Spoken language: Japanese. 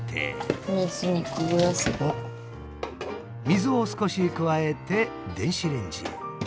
水を少し加えて電子レンジへ。